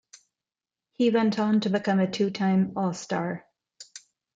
He went on to become a two-time All-Star.